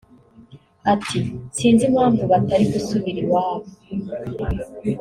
Ati “Sinzi impamvu batari gusubira iwabo